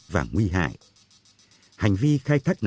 mà còn gây tác hại nghiêm trọng đến môi trường biển